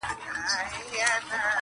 درې ملګري وه یو علم بل عزت وو-